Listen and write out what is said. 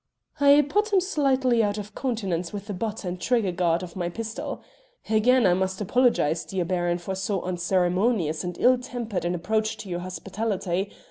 "I put him slightly out of countenance with the butt and trigger guard of my pistol. Again I must apologise, dear Baron, for so unceremonious and ill tempered an approach to your hospitality.